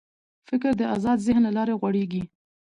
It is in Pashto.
فکر د آزاد ذهن له لارې غوړېږي.